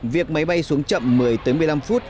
việc máy bay xuống chậm một mươi một mươi năm phút